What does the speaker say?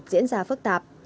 diễn ra phức tạp